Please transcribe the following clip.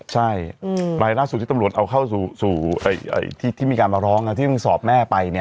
ใช่รายล่าสุดที่ตำรวจเอาเข้าสู่ที่มีการมาร้องที่เพิ่งสอบแม่ไป